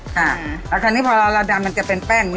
คราวนี้พอเราดันจะเป็นแป้ง